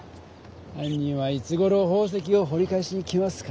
はん人はいつごろ宝石をほり返しに来ますかね？